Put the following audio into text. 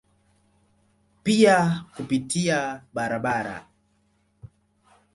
Pia kupitia barabara.